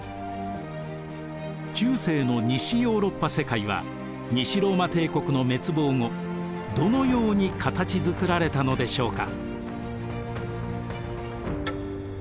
中世の西ヨーロッパ世界は西ローマ帝国の滅亡後どのように形づくられたのでしょうか。